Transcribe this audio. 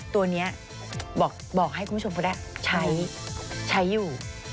ตัวนี้บอกให้คุณผู้ชมก็ได้ใช้อยู่